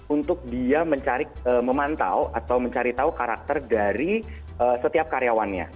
untuk dia mencari memantau atau mencari tahu karakter dari setiap karyawannya